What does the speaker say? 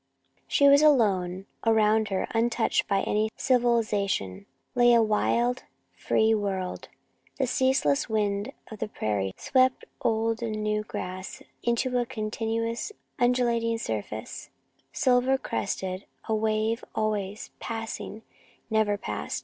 She was alone. Around her, untouched by any civilization, lay a wild, free world. The ceaseless wind of the prairie swept old and new grass into a continuous undulating surface, silver crested, a wave always passing, never past.